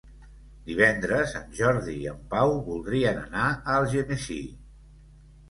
Divendres en Jordi i en Pau voldrien anar a Algemesí.